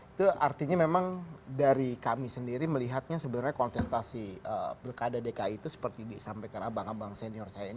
itu artinya memang dari kami sendiri melihatnya sebenarnya kontestasi pilkada dki itu seperti disampaikan abang abang senior saya ini